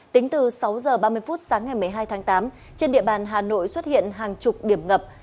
tính từ sáu h ba mươi phút sáng ngày một mươi hai tháng tám trên địa bàn hà nội xuất hiện hàng chục điểm ngập